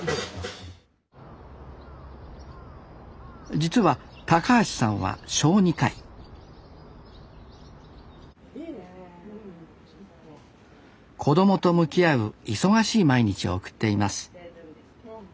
実は橋さんは小児科医子どもと向き合う忙しい毎日を送っています。